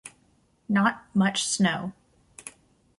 Not much snow.